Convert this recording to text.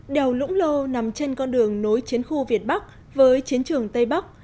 đèo lũng lô nằm trên con đường nối chiến khu việt bắc với chiến trường tây bắc